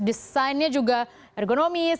desainnya juga ergonomis